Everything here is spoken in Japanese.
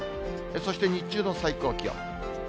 そして日中の最高気温。